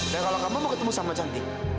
dan kalau kamu mau ketemu sama cantik